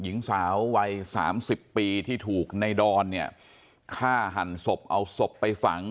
หญิงสาววัยสามสิบปีที่ถูกในดอนเนี่ยฆ่าหันศพเอาศพไปฝัง